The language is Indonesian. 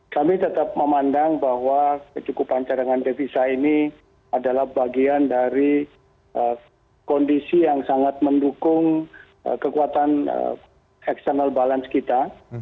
kami tetap memandang bahwa kecukupan cadangan devisa ini adalah bagian dari kondisi yang sangat mendukung kekuatan external balance kita